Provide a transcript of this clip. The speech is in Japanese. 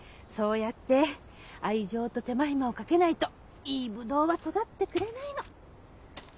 そうやって愛情と手間暇をかけないといいブドウは育ってくれないの。